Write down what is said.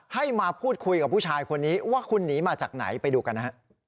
ให้มาพูดคุยกับผู้ชายคนนี้ว่าคุณหนีมาจากไหนไปดูกันนะฮะ